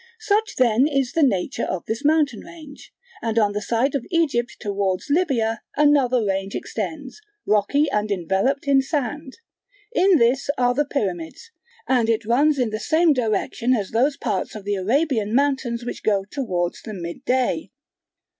Such then is the nature of this mountain range; and on the side of Egypt towards Libya another range extends, rocky and enveloped in sand: in this are the pyramids, and it runs in the same direction as those parts of the Arabian mountains which go towards the midday.